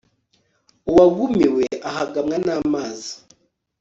uwagumiwe ahagamwa n'amazi